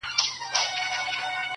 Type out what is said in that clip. له بري څخه بري ته پاڅېدلی!.